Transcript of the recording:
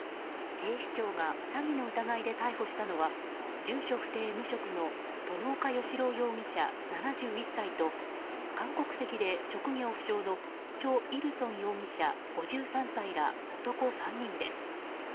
警視庁が詐欺の疑いで逮捕したのは住所不定・無職の外岡良朗容疑者、７１歳と韓国籍で職業不詳のチョン・イルソン容疑者ら男３人です。